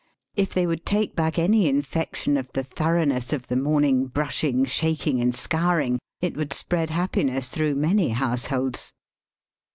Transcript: K they would take hack any infection of the thoroughness of the morning brushing, shaking, and scouring, it would spread happiness through many households.